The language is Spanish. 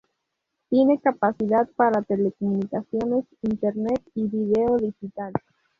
Tiene capacidad para Telecomunicaciones, Internet y Video Digital.